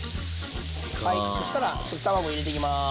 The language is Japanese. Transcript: はいそしたら溶き卵入れていきます。